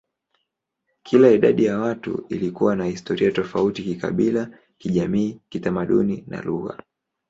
Kila idadi ya watu ilikuwa na historia tofauti kikabila, kijamii, kitamaduni, na lugha.